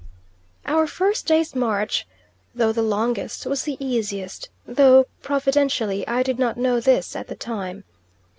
Our first day's march, though the longest, was the easiest, though, providentially I did not know this at the time.